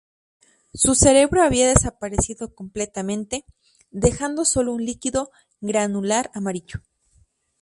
Su cerebro había desaparecido completamente, dejando solo un "líquido granular amarillo".